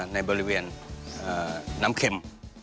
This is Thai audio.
ในบริเวณน้ำเข็ม